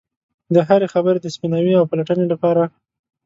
د هرې خبرې د سپیناوي او پلټنې لپاره.